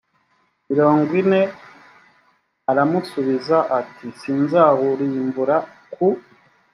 mirongo ine aramusubiza ati sinzawurimbura ku